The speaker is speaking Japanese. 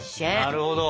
なるほど。